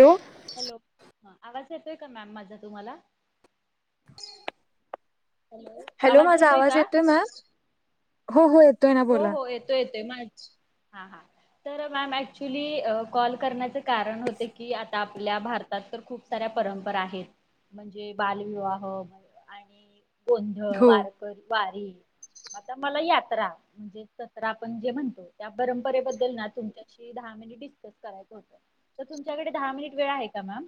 हॅो hello आवाज येतोय का मॅम माझा तुम्हाला हॅलो माझा आवाज येतोय मॅ हो हो येतो हो हो येतोय येतोय मा हा हा तर मॅम ऍक्च्युली कॉल करण्याच कारण होते की आता आपल्या भारतात तर खूप साऱ्या परंपरा आहेत म्हणजे बालविवाह आणि गोंधळ हो. वारकरी वारी आता मला यात्रा म्हणजे सतरा आपण जे म्हणतो त्या परंपरेबद्दल ना तुमच्याशी दहा मिनिट डिस्कस करायचं होतं तर तुमच्याकडे दहा मिनिट वेळ आहे का मॅम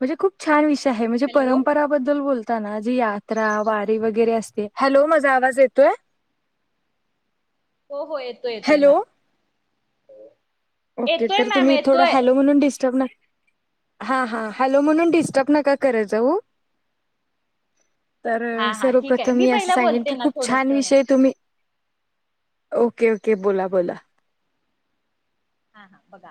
म्हणजे खूप छान विषय आहे म्हणजे हॅलो परंपराबद्दल बोलत जी यात्रा वारी वगैरे असते हॅलो माझा आवाज येतोय हो हो येतो येतोय हॅलो. मॅम ओके येतोय तर मॅम तुम्ही थोडा येतोय हल म्हणून डस्टर्ब हा हा हॅलो म्हणून डिस्टर्ब नका कर जाऊ तर हां हां ठीक आहे. सर्वप्रथम मी असं पहिलं सांगेन बोलते की ना खूप छान थोडंसं. विषय तुम्ही ओके ओके बोला बोला हा हा बघा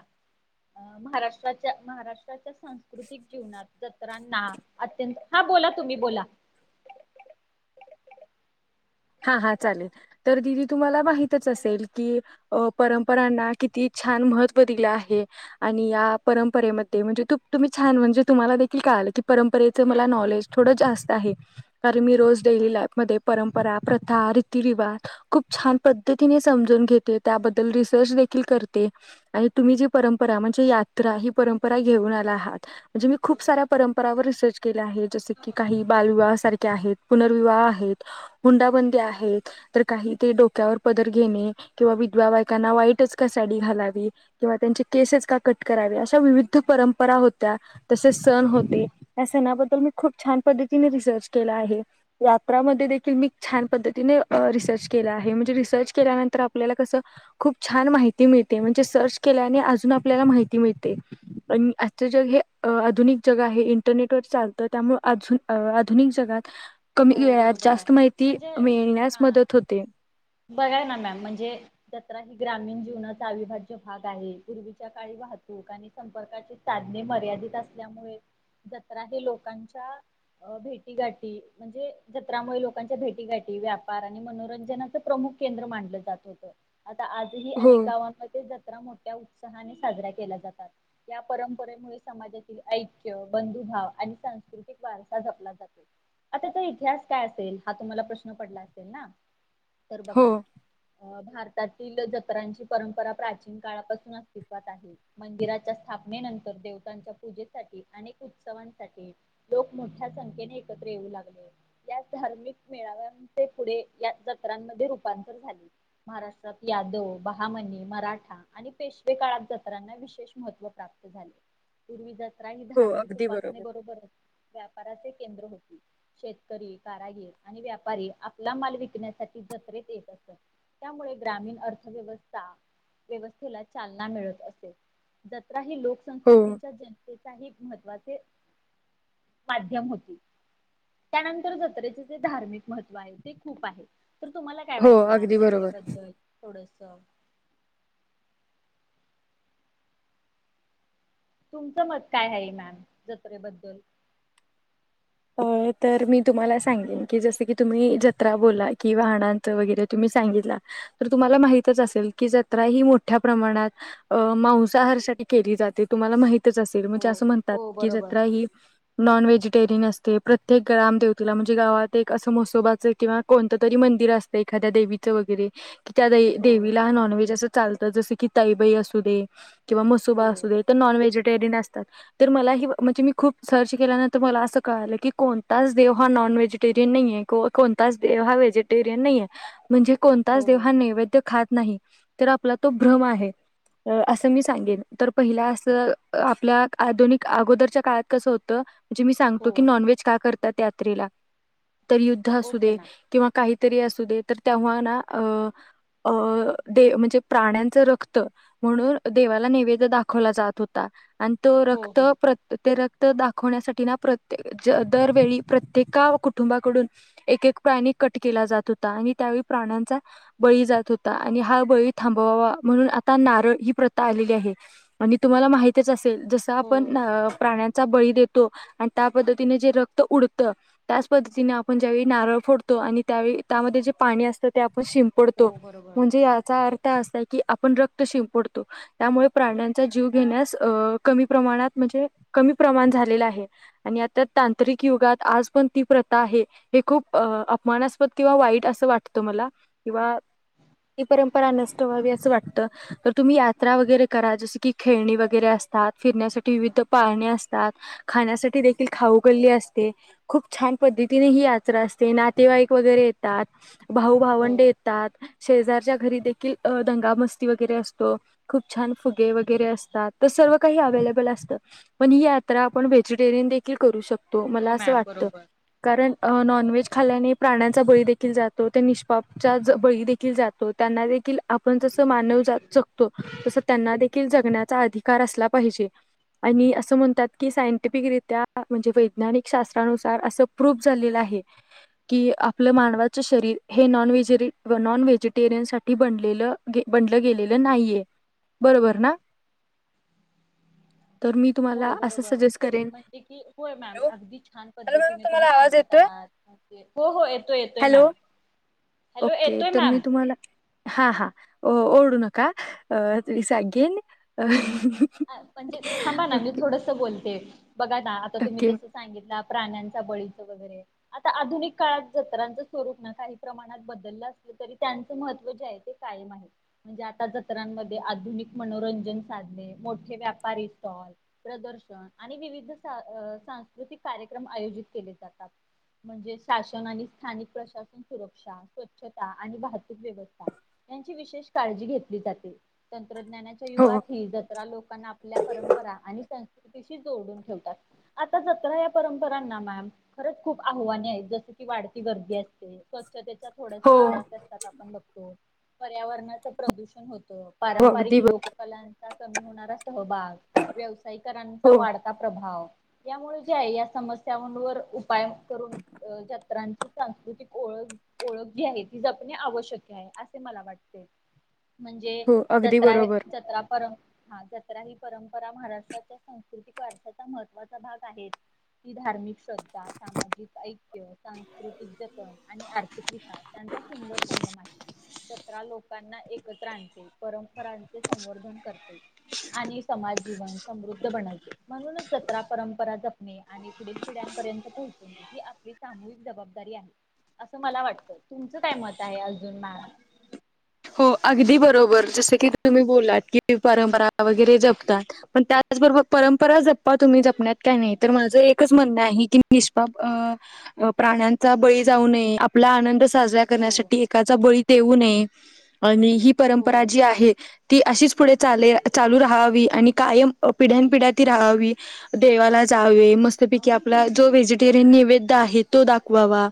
अ महाराष्ट्राच्या महाराष्ट्राच्या सांस्कृतिक जीवनात जत्रांना अत्यंत ह बोला तुम्ही बोला हा हा चालेल तर दिदी तुम्हाला माहितच हॅलो. असेल की अ परंपरांना किती छान महत्त्व दिले आहे आणि या परंपरेमध्ये म्हणजे तू तुम्ही छानणेुम्हालाख कायलं परंपरेचं हा मला बरो- नॉलेज थोडं जास्त आहे कारण मी रोज डेली लाईफमध्येध्ये परंपरा प्रथा, रीतीरिवाज खूप छान पद्धतीने समजून घेते, त्याबद्दल रिसर्च देखील करते. आणि तुम्ही जी परंपरा म्हणजे यात्रा ही परंपरा घेऊन आला आहात. म्हणजे मी खूप साऱ्या परंपरा रिसर्च केले आहे जस की, काही बालविवाह सारखे आहेत पुनर्विवाह आहेत. हुंडाबंदी आहेत तर काही ते डोक्यावर पदर घेणे किंवा विधवा बायकांना वाईटच कस साडी घालवी किंवा त्यांचे केसच का कट करावे. अश्या विविध परंपरा होत्या. तसे सन होते. ह्या सणाबद्दल मी खूप छान पद्तीने रिसर्च केला आहे. यात्रामध्ये देखील मी छान पद्धतीने रिसर्च केला आहे. म्हणजे रिसर्च केल्यानंतर आपल्याला कसं खूप छान माहिती मि मिळते, म्हणजे सर्च केल्याने आपल्याला आजुन आपल्याला माहिती मिळते. पण आजच जग हे आधुनिक जग आहे इंरनेटवर चालत. त्यामुळे आजुन आधुनिक जगात कमी हो वेळात बरोबर आहे. जास्त माहिती म्हणजे मिळण्यास हा मदत होते. बघाय ना मॅम म्हणजे जत्रा ग्रामीण जीवनाचा अविभाज्य भाग आहे. पूर्वीच्या का वाहतूक आणि संपर्काचे साधने मर्यादित असल्यामुळे जत्रा हे लोकांच्या भेटी गाटी म्हणजे जत्रामुळे लोकांच्या भेटीघाटी व्यापार आणि मनोरंजनाचं प्रमुख केंद्र मानलं जात होतं. आता आजही हो अनेक गावांमध्ये ज जत्रा मोठ्या उत्साहाने साजऱ्या केल्या जातात. या परंपरेमुळे समाजातील ऐक्य, बंधु भाव आणि सांस्कृतिक वारसा जपला जातो. आताचा इतिहास काय असेल हा तुम्हाला प्रश्न पडला असेल ना? तर हो बघा भारतातील जत्रांची परंपरा प्राचीन काळापासून अस्तित्वात आहे. मंदिराच्या स्थाप ने नंतर देवतांच्या पूजेसाठी अनेक उत्सवांसाठी लोक मोठ्या संख्येने एकत्र येऊ लागले या धार्मिक मेळाव्यांचे पुढे या जत्रांमध्ये रूपांतर झाले. महाराष्ट्रात यादव, बहामनी, मराठा आणि पेशवे काळात जत्रांना विशेष महत्त्व प्राप्त झाले. पूर्वी जत्रा ही हो धार्मिक अगदी उपासने बरोबर व्यापाराचे केंद्र होते. शेतकरी, कारागीर आणि व्यापारी आपला माल विकण्यासाठी जत्रेत येत असत. त्यामुळे ग्रामीण अर्थव्यवस्था व्यवस्थेला चालना मिळत असे. ज जत्रा ही हो लोकसंस्कृतीच्या जनतेचा एक महत्त्वाचा माध्यम होती. त्यानंतर जत्रेचे जे धार्मिक महत्व आहे ते खूप आहे. तर तुम्हाला काय हो वाटत मॅम अगदी बरोबर जत्रेबद्दल थोडस. तुमचं मत काय आहे मॅम जत्रेबद्दल. तर मी तुम्हाला सांगेन की जसं की तुम्ही जत्रा बोला की वाहनांच वगैरे तुम्ही सांगि तला. तुम्हाला माहीतच असेल की जत्रा ही मोठ्या प्रमाणात मांसाहार साठी केली जाते तुम्हाला माहिती असेल हो अस म्हणतात हो की बरोबर जत्रा ही नॉन व्हेजिटेरियन अस ते प्रत्येक ग्राम दैवतेला म्हणजे गावात एक असं म्हसोबा किंवा कोणतं तरी मंदिर असतं एखाद्या देवीच वगैरे की त्या हो देवीला नॉनव्हेज असं चालतं जसं की, ताईबाई असू दे किंवा म्हसोबा हो असू दे, तर नॉन व्हेजिटेरियन असतात. तर मला हे म्हणजे मी खूप सर्च केल्यानंतर मला असं कळालं की कोणताच देव हा नॉन व्हेजिटेरियन नाहीेय, कोणताच देव हा व्हेजिटेरियन नाहीेय म्हणजे हो कोणताच देव नैवेद्य खात नाही तर आपला तो भ्रम आहे असं मी सांगेन. तर पहिला अस आपल्या आधुनिक अगोदरच्या काळात कसं होतं म्हणजे मी सा हो गेन कि नॉनव्हेज का करतात यात्रेला. तर युद्ध असू ओके दे मॅम किंवा काहीतरी असू दे तर तेव्हा ना अ अ दे म्हणजे प्राण्यांच रक्त, म्हणून देवाला नैवेद्य दाखवला जात होता. आणि तो हो रक्त हो प्र ते रक्त दाखवण्यासाठी ना प्र दरवेळी प्रत्येका कुटुंबाकडून एक एक प्राणी कट केला जात होता, आणि त्यावेळी प्राण्यांचा बळी जात होता आणि हा बळी थांबवावा. म्हणून आता नारळ ही प्रथा आली आहे तुम्हाला माहित च असेल जस हो आपण प्राण्यांचा बळी देतो त्या पद्धतीने जे रक्त उडत त्याच पद्धतीने आपण ज्यावेळी नारळ फोडतो आणि त्यावेळी त्यामध्ये जे पाणी असत आपण शिंपडतो हो बरोबर म्हणजे याचा अर्थ असा की आपण रक्त शिंपडतो त्यामुळे प्राण्यांचा जीव घेण्यास कमी प्रमाणात म्हणजे, कमी प्रमाण झालेलं आहे. आणि आता तांत्रिक युगात आज पण ती प्रथा आहे हे खूप अपमानास्पद किंवा वाईट अस अस वाटतं मला किंवा ही परंपरा नष्ट व्हावी असं वाटतं तर तुम्ही यात्रा वगैरे करा जस की खेळणी वगैरे असतात फिरण्यासाठी विविध पाळणे असतात खाण्यासाठी विविध खाऊकल्ली असते खूप छान पद्धतीने ही यात्रा असते नातेवाईक वगैरे येतात. भाऊ हो भावंडे येतात. शेजारच्या घरी देखील दंगा मस्ती वगैरे असतो खूप छान फुगे वगैरे असतात तसं सर्व काही अवेलेबल असत पण ही यात्रा व्हेजिटेरियन देखील करू शकतो हो मला अस मॅम वाटतं. बरोबर कारण नॉनव्हेज खाल्याने प्राण्यांचा बळी देेखील जातो. ते निष्पापचा बळी देेखील जातो त्यांना देखील आपण जस मानव जगतो तस त्यांना जगण्याचाअधिकार असला पाहिजे. आणि अस म्हणतात की सायंटिफिक रित्या म्हणजे वैज्ञानिक शास्त्रानुसार असं प्रूफ झालेलं आहे की आपलं मानवाच शरीर हेन नॉन व्हेजिटेरियन साठी बनलेलं बनलं गेलेलं नाहीय. बरोबर ना. [unintelligible] तर मी तुम्हाला हो असं बरोबर. सजेस्ट करेन म्हणजे की होय मॅम हॅलो अगदी छान हॅलो मॅम पद्धतीने तुम्ही तुम्हाला आवाज सांगत येतोय आहात हो हो येतोय येतोय हॅलो मॅम. हॅलो ओके येतोय तर मी मॅम. तुम्हाला हा हा ओडू नका अ मी सांगेन म्हणजे थांबा ना मी थोडस बोलते बघा ना आता तुम्ही ओके. जस सांगितलं प्राण्यांच्या बळीच वगैरे आता आधुनिक काळात जत्रांच स्वरूप काही प्रमाणात बदललं अस तरी त्यांच महत्त्व जे आहे ते कायम आहे म्हणजे आता जत्रांमध्ये आधुनिक मनोरंजन साधणे मोठे व्यापारी स्टॉल प्रदर्शन आणि विविध सांस्कृतिक कार्यक्रम आयोजित केले जातात म्हणजे शासन आणि स्थानिक प्रशासन सुरक्षा स्वच्छता आणि वाहतूक व्यवस्था त्यांची विशेष काळजी घेतली जाते तंत्रज्ञानाच्या हो, युगात हे जर लोकांना आपल्या परंपरा आणि संस्कृतीशी जोडून ठेवात आता जत्रा या परंपरा ना मॅम खरच खूप आव्हाने आहेत जस की वाढती गर्दी असते स्वछतेच्या थोड्या्या हो, समस्या असतात आपण बघतो पर्यावरणाच प्रदूषण हो हो. पारंपरिक अगदी ब लोककलाचा सहभाग व्यावसायिकरांचा हो, वाढत प्र यामुळे जे आहे या समस्यांवर उपाय करून जत्रांची सांस्कृ ओळख ओळख जी आहे ती जपणे आवश्यक आहे असे मला वाटते म्हणजे हो. अगदी जत्रा बरोबर. जत्रा पर हा जत्रा ही परंपरा महाराष्ट्राच्या सांस्कृतिक वारसाचा महत्त्वाचा भाग आहे ही धार्मिक श्रद्धा सामाजिक ऐक्य सांस्कृतिक जतन आणि आर्थिक विकास सुंदर संगम आहे जत्रा लोकांना एकत्र आणते परंपरांचे संवर्धन करते आणि समाज जीवन समृद्ध बनवते म्हणूनच जत्रा परंपरा जपणे आणि पुढील पिढ्यांप ोह ही आपली सामूहिक जबाबदारी आहे असं मला वाटतं तुमचं काय मत आहे अजून मॅम हो अगदी बरोबर जस की तुम्ही बोलात की परंपरा वगैरे जपतात पण त्याचबरोबर परंपरा जपा तुम्ही जपण्यात का नाही तर माझं एकच म्हणं आहे की निष्पाप प्राण्यांचा बळी जाऊ नये आपला आनंद साजरा हो करण्यासाठी एकाचा बळी देऊ नये आणि ही परंपरा हो जी आहे ती अशीच पुढे चाले चालू राहावी आणि कायम पिढ्यान पिढ्या ती राहावी देवाला मस्त पैकी आपला जो वेजी टेरियन नैवेद्य आहे तो दाखवावा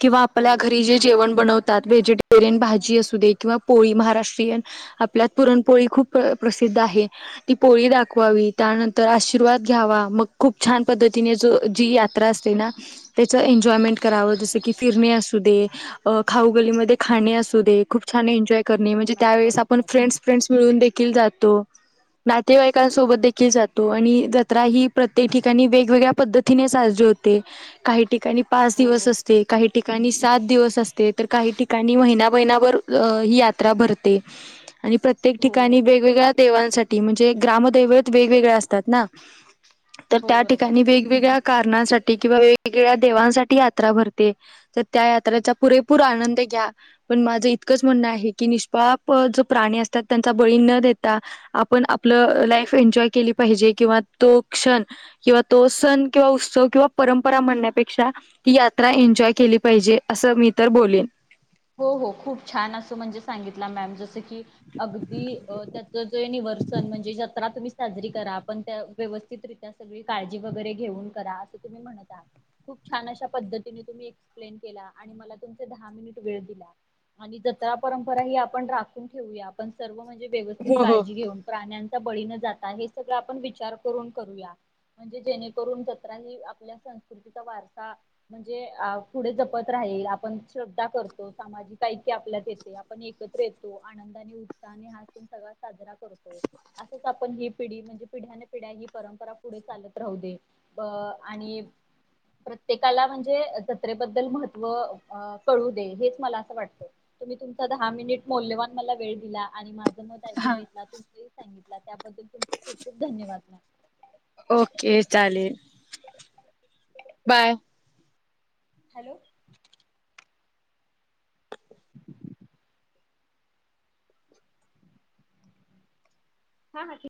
किंवा हो. आपल्या घरी जे जेवण बनवतात व्हेजिटेरियन भाजी असू दे किंवा पोळी महाराष्ट्रीयन आपल्यात पुरणपोळी खूप प्रसिद्ध आहे ती पोळी दाखवावी त्या नंतर आशिर्वाद घ्यावा मग खूप छान पद्धतीने जी यात्रा असते ना त्याच एन्जॉयमेंट करावं जसं की फिरणे असू दे खाऊगल्लीमध्ये खाणे असू दे खूप. छान एन्जॉय करणे हो म्हणजे मॅम त्यावेेळेस आपण बरोबर. फ्रेंड्स फ्रेंड्स मिळून देखील जातो. नातेवाईकांसोबत देखील जातो आणि जत्रा ही प्रत्येक ठिकाणी वेगवेगळ्या पद्धतीने साजरी होते. होते काही ठिकाणी पाच हो दिवस असते, काही ठिकाणी सात दिवस असते, तर काही ठिकाणी महिना महिनाभर अ ही यात्रा भरते आणि प्रत्येक हो ठिकाणी वेगवेगळ्या देवांसाठी म्हणजे ग्रामदेवत वेगवेगळ्या असतात ना. तर हो त्या बरोबर. ठिकाणी वेगवेगळ्या कारणासाठी किंवा वेगवेगळ्या देवांसाठी यात्रा भरते तर त्या यात्रेचा पुरेपूर आनंद घ्या. पण माझं इतकच म्हण आहे की निष्पाप जो प्राणी असतात त्यांचा बळी न देता आपण आपल केली पाहिजे किवा तो क्षण किंवा तो सण किंवा उत्सव किंवा परंपरा म्ह त्यापेक्षा यात्रा एन्जॉय केली पाहिजे अस मी तर बोलीन. हो हो खूप छान असं म्हणजे सांगितलं मॅम जसं की अगदी त्या निवर्सन म्हणजे जत्रा तुम्ही साजरी करा आपण व्यवस्थितरित्या सगळी काळजी वगैरे घेऊन करा असं तुम्ही म्हणता. खूप छान छान अशा पद्धतीने तुम्ही एक्सप्लेन केला आणि मला तुमचे दहा मिनिट जत्रा परंपरा ही आपण राखून ठेउया आपण सर्व म्हणजे व्यवस्थित हो हो काळजी घेऊन प्राण्यांचा बळी न जाता हे सगळं आपण विचार करून करूया. म्हणजे जेणेकरून जत्रा आपल्या संस्कृतीचा वारसा म्हणजे अ पुढे जपत राहिल. आपण श्रद्धा करतो. सामाजिक ऐक्य आपल्यात येते आपण एकत्र येतो, आनंद आणि उत्साहने हा स सगळा साजरा करतो. असंच आपण ही पिढी म्हणजे पिढ्याने पिढ्या ही परंपरा पुढे चालत राहू दे. आणि प्रत्येकाला म्हणजे जत्रेबद्दल महत्त्व कळू हेच मला असं वाटतं. तुम्ही तुमचा दहा मिनिटे मौल्यवान मला वेळ दिला आणि ऐ घेत तुम सांगित त्याबद्दल तुमचे खूप खूप धन्यवाद. ओके चालेल. बाय. हॅलो हा हा ठीकय